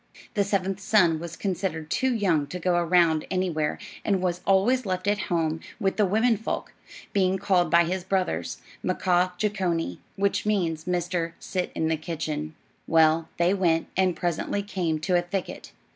The seventh son was considered too young to go around anywhere, and was always left at home with the women folk, being called by his brothers Mkaa'ah Jeecho'nee, which means Mr. Sit in the kitchen. Well, they went, and presently came to a thicket.